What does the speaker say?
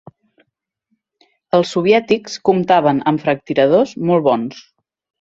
Els soviètics comptaven amb franctiradors molt bons.